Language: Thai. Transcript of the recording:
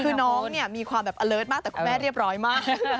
คือน้องเนี่ยมีความแบบอเลิศมากแต่คุณแม่เรียบร้อยมาก